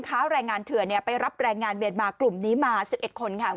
ค้าแรงงานเถื่อนเนี่ยไปรับแรงงานเมียนมากลุ่มนี้มาสิบเอ็ดคนค่ะคุณผู้